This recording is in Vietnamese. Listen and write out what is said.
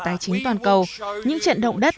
tài chính toàn cầu những trận động đất